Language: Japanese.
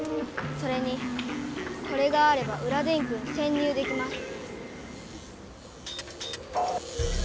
それにこれがあれば裏電空にせん入できます。